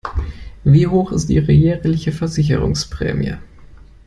Wie hoch ist ihre jährliche Versicherungsprämie?